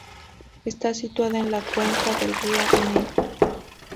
Está situada en la cuenca del río Neiva.